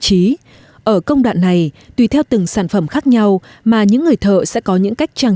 trí ở công đoạn này tùy theo từng sản phẩm khác nhau mà những người thợ sẽ có những cách trang